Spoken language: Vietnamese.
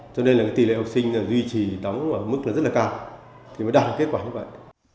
cho nên là tỷ lệ học sinh duy trì đóng mức rất là cao thì mới đạt được kết quả như vậy